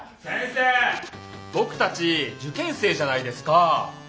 先生僕たち受験生じゃないですかぁ。